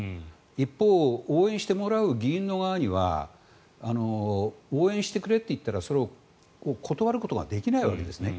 一方応援してもらう議員の側には応援してくれると言ったらそれを断ることができないわけですね。